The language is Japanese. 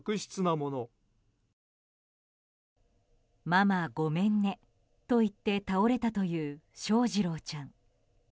ママごめんねと言って倒れたという翔士郎ちゃん。